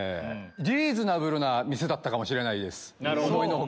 リーズナブルな店だったかも思いの外。